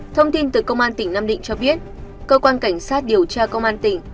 thông tin từ công an tỉnh nam định cho biết cơ quan cảnh sát điều tra công an tỉnh